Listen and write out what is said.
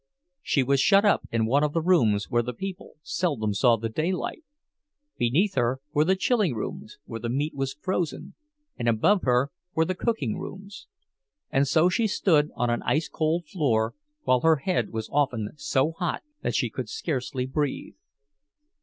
She was shut up in one of the rooms where the people seldom saw the daylight; beneath her were the chilling rooms, where the meat was frozen, and above her were the cooking rooms; and so she stood on an ice cold floor, while her head was often so hot that she could scarcely breathe.